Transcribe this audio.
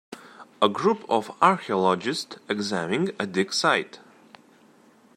A group of archaeologists examining a dig site.